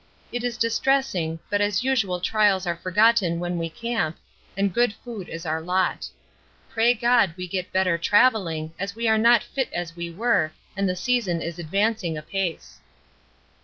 It is distressing, but as usual trials are forgotten when we camp, and good food is our lot. Pray God we get better travelling as we are not fit as we were, and the season is advancing apace.